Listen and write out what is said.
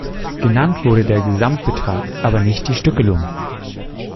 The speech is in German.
Genannt wurde der Gesamtbetrag, aber nicht die Stückelung.